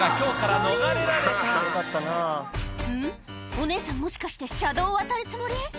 お姉さんもしかして車道を渡るつもり？